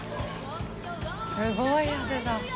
すごい汗だ。